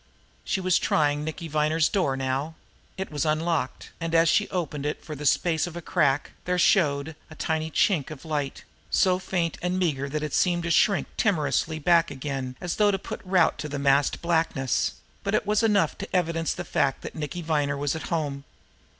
She was trying Nicky Viner's door now. It was unlocked, and as she opened it for the space of a crack, there showed a tiny chink of light, so faint and meager that it seemed to shrink timorously back again as though put to rout by the massed blackness but it was enough to evidence the fact that Nicky Viner was at home.